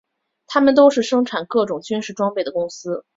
它们都是生产各种军事装备的公司。